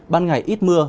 ban ngày ít mưa